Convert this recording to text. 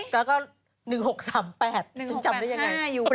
แล้วก็๑๖๓๘ฉันจำได้ยังไง